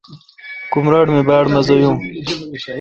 کمراٹ می باڑ مزا یون۔